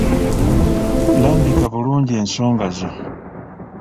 Lambika bulungi ensonga zo.